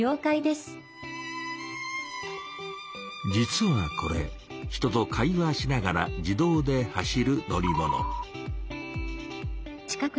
実はこれ人と会話しながら自動で走る乗り物。